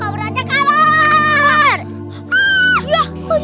awalnya kita terang tinggal tpitx usus datang